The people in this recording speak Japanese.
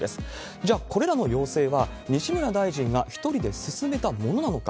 じゃあ、これらの要請は西村大臣が１人で進めたものなのか。